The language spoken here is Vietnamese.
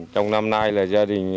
trong năm nay là gia đình